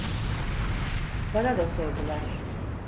Bana da sordular.